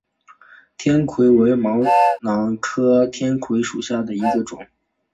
天葵为毛茛科天葵属下的一个种。